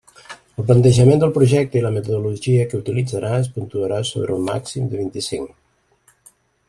El plantejament del projecte i la metodologia que utilitzarà es puntuarà sobre un màxim de vint-i-cinc.